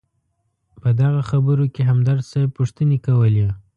په دغه خبرو کې همدرد صیب پوښتنې کولې.